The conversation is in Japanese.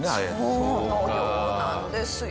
そのようなんですよ。